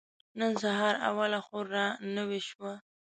نن سهار اوله خور را نوې شوه.